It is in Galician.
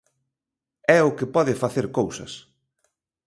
É o que pode facer cousas.